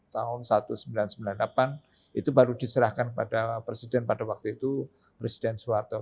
tahun seribu sembilan ratus sembilan puluh delapan itu baru diserahkan pada presiden pada waktu itu presiden soeharto